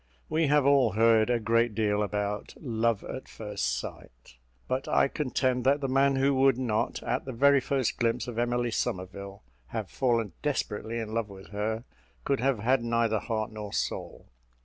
We have all heard a great deal about "love at first sight;" but I contend that the man who would not, at the very first glimpse of Emily Somerville, have fallen desperately in love with her, could have had neither heart nor soul.